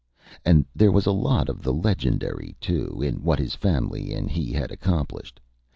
And there was a lot of the legendary, too, in what his family and he had accomplished.